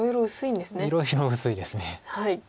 いろいろ薄いです。